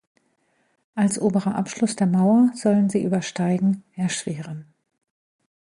Als oberer Abschluss der Mauer sollen sie Übersteigen erschweren.